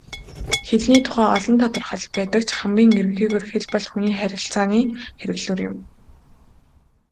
Хэлний тухай олон тодорхойлолт байдаг ч хамгийн ерөнхийгөөр хэл бол хүний харилцааны хэрэглүүр юм.